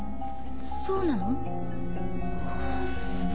そうなの？